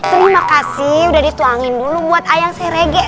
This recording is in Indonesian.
terima kasih udah dituangin dulu buat ayam serege